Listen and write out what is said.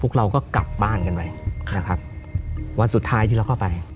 เราก็กลับบ้านกันไว้นะครับวันสุดท้ายที่เราเข้าไป